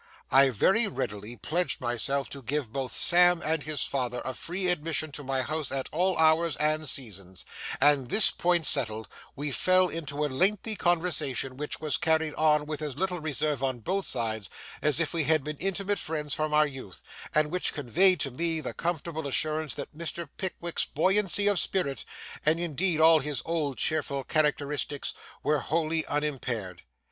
I very readily pledged myself to give both Sam and his father a free admission to my house at all hours and seasons, and this point settled, we fell into a lengthy conversation which was carried on with as little reserve on both sides as if we had been intimate friends from our youth, and which conveyed to me the comfortable assurance that Mr. Pickwick's buoyancy of spirit, and indeed all his old cheerful characteristics, were wholly unimpaired.